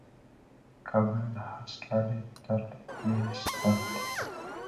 Combet has stated that he is an atheist.